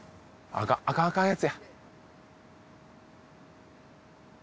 あかんあかんあかんやつや！